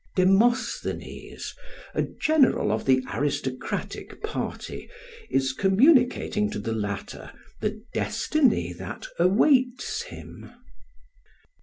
Demosthenes, a general of the aristocratic party, is communicating to the latter the destiny that awaits him.